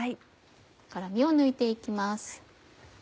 辛みを抜いて行きます。